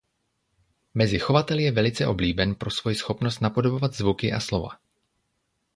Mezi chovateli je velice oblíben pro svoji schopnost napodobovat zvuky a slova.